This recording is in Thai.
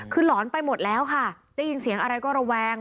คือหลอนไปหมดแล้วค่ะได้ยินเสียงอะไรก็ระแวง